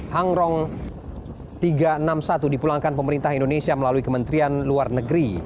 hang rong tiga ratus enam puluh satu dipulangkan pemerintah indonesia melalui kementerian luar negeri